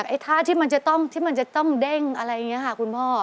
พอเขาปรับนั้นปุ๊บ